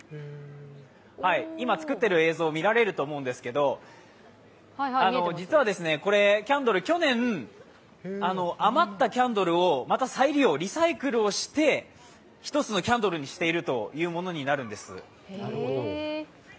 今作っている映像見られると思うんですけれども実はこれ、去年余ったキャンドルをまた再利用、リサイクルをして１つのキャンドルにしているものになるんです。